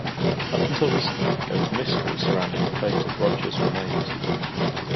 Up until recently, there was mystery surrounding the fate of Roger's remains.